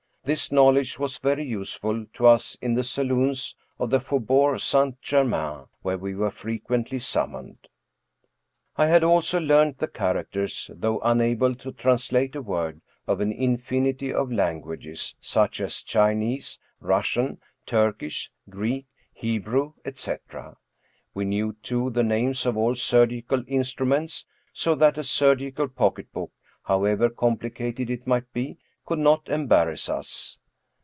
This knowledge was very useful to us in the salons of the Faubourg Saint Germain, where we were fre quently summoned. I had also learned the characters — ^though unable to translate a word — of an infinity of languages, such as Chinese, Russian, Turkish, Greek, Hebrew, etc. We knew, too, the names of all surgical instruments, so that a sur gical pocketbook, however complicated it might be, could not embarrass us.